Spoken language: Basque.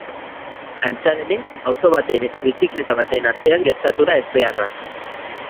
Antza denez, auto baten eta bizikleta baten artean gertatu da ezbeharra.